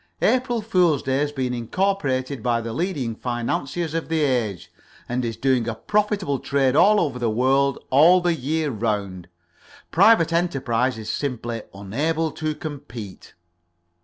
April fool's day has been incorporated by the leading financiers of the age, and is doing a profitable trade all over the world all the year round. Private enterprise is simply unable to compete."